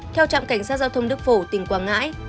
theo trạm cảnh sát giao thông đức phổ tỉnh quảng ngãi